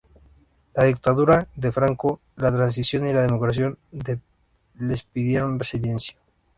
La dictadura de Franco, la transición y la democracia les pidieron silencio.